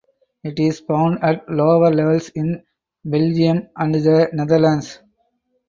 It is found at lower levels in Belgium and the Netherlands.